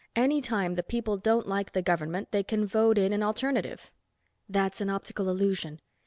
Any time the people don't like the government, they can vote in an alternative." "That's an optical illusion.